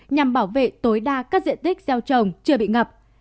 nhằm bảo vệ tối đa các diện tích gieo trồng chưa bị ngập